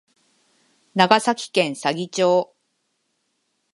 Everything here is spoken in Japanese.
長崎県佐々町